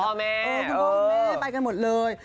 คุณบอกว่าแม่ไปกันหมดเลย